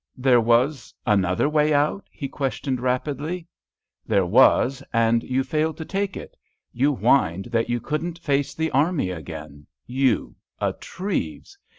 "There was another way out?" he questioned, rapidly. "There was, and you failed to take it. You whined that you couldn't face the army again—you, a Treves!